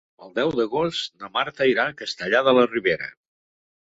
El deu d'agost na Marta irà a Castellar de la Ribera.